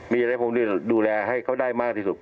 มีอะไรคงจะดูแลให้เขาได้มากที่สุด